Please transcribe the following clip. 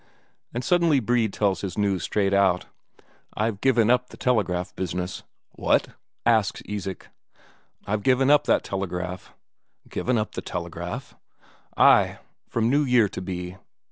And suddenly Brede tells his news straight out: "I've given up the telegraph business." "What?" asks Isak. "I've given up that telegraph." "Given up the telegraph?" "Ay, from new year to be.